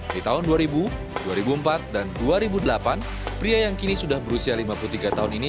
di tahun dua ribu dua ribu empat dan dua ribu delapan pria yang kini sudah berusia lima puluh tiga tahun ini